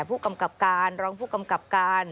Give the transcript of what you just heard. ผู้กำกับการรองผู้กำกับการ